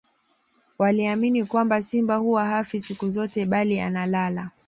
waliamini kwamba simba huwa hafi siku zote bali analala